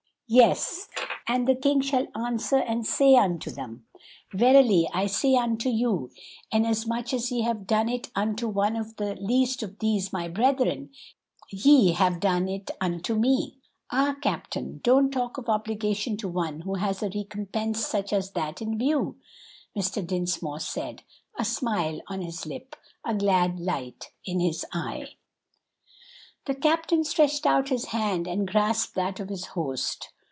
"Yes, And the King shall answer and say unto them, 'Verily I say unto you, inasmuch as ye have done it unto one of the least of these my brethren, ye have done it unto me.'" "Ah, captain, don't talk of obligation to one who has a recompense such as that in view!" Mr. Dinsmore said, a smile on his lip, a glad light in his eye. The captain stretched out his hand and grasped that of his host.